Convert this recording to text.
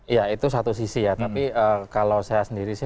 ya itu satu sisi ya tapi kalau saya sendiri sih